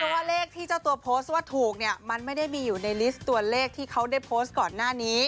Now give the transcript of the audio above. เพราะว่าเลขที่เจ้าตัวโพสต์ว่าถูกเนี่ยมันไม่ได้มีอยู่ในลิสต์ตัวเลขที่เขาได้โพสต์ก่อนหน้านี้